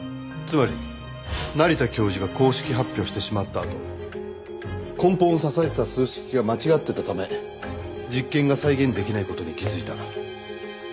つまり成田教授が公式発表してしまったあと根本を支えてた数式が間違っていたため実験が再現出来ない事に気づいた。